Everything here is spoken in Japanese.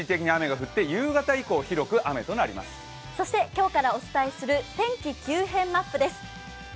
今日からお伝えする天気急変マップです。